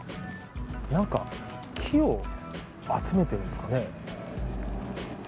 なんか木を集めてるんですかね？